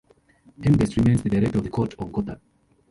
Heimgest remains the Director of the Court of Gothar.